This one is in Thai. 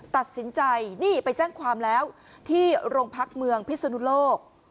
ตัดสินใจนี่ไปแจ้งความแล้วที่โรงพักเมืองพิศนุโลก